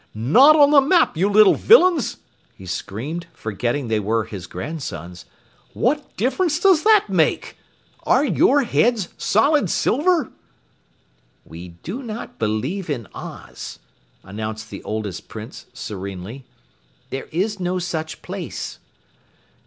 "Not on the map, you little villains!" he screamed, forgetting they were his grandsons. "What difference does that make? Are your heads solid silver?" "We do not believe in Oz," announced the oldest Prince serenely. "There is no such place."